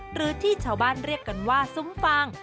หรือที่ชาวบ้านเรียกกันว่าซุ้มฟาง